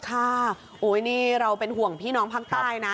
โอ้ยนี่เราเป็นห่วงพี่น้องภาคใต้นะ